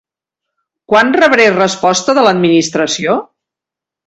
Quan rebré resposta de l'Administració?